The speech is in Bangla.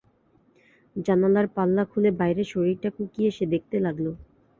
জানালার পাল্লা খুলে বাইরে শরীরটা কুঁকিয়ে সে দেখতে লাগল।